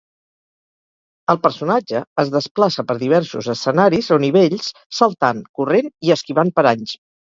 El personatge es desplaça per diversos escenaris o nivells saltant, corrent i esquivant paranys.